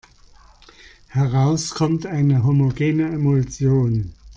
Heraus kommt eine homogene Emulsion.